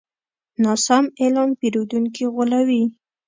ناسم اعلان پیرودونکي غولوي.